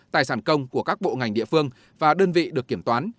tài sản công của các bộ ngành địa phương và đơn vị được kiểm toán